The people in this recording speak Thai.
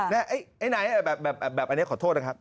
ไหนแบบอันนี้ขอโทษนะครับ